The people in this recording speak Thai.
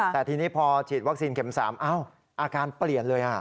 แต่ทีนี้พอฉีดวัคซีนเข็ม๓อาการเปลี่ยนเลย